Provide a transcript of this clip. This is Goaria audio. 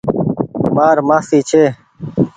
مآر مآسي ڇي۔